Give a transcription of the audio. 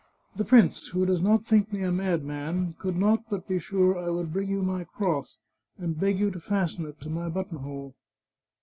The prince, who does not think me a madman, could not but be sure I would bring you my cross, and beg you to fasten it to my buttonhole."